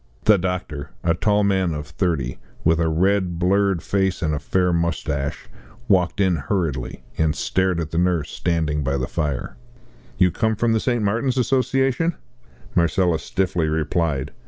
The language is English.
The doctor, a tall man of thirty, with a red, blurred face and a fair moustache, walked in hurriedly, and stared at the nurse standing by the fire. "You come from the St. Martin's Association?" Marcella stiffly replied.